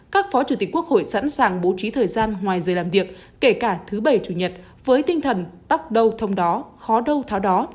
các phó chủ tịch quốc hội sẵn sàng bố trí thời gian ngoài giờ làm việc kể cả thứ bảy chủ nhật với tinh thần tắt đâu thông đó khó đâu tháo đó